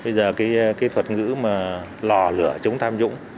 bây giờ cái thuật ngữ mà lò lửa chống tham nhũng